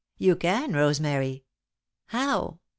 "You can, Rosemary." "How?"